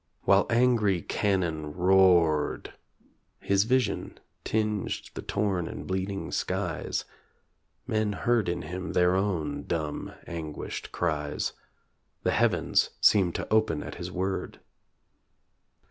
While angry cannon roared, His vision tinged the torn and bleeding skies, Men heard in him their own dumb anguished cries, The heavens seemed to open at his word.